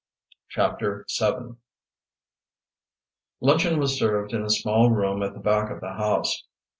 CHAPTER VII Luncheon was served in a small room at the back of the house.